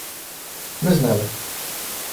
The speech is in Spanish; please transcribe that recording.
no es nada.